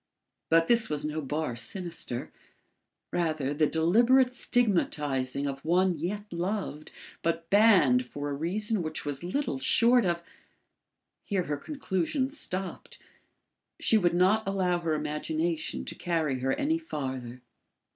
But this was no bar sinister; rather the deliberate stigmatising of one yet loved, but banned for a reason which was little short of Here her conclusions stopped; she would not allow her imagination to carry her any farther.